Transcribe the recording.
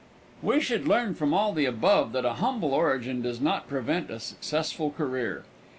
We should learn from all the above that a humble origin does not prevent a successful career.